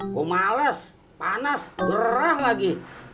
kok males panas gerah lagi